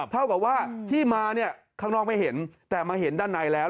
เท่ากับว่าที่มาเนี่ยข้างนอกไม่เห็นแต่มาเห็นด้านในแล้ว